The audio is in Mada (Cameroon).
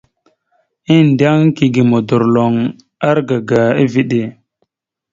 Endena kige modorloŋ argaga eveɗe.